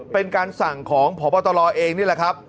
เป็นการสั่งของพบตรเองนี่แหละครับ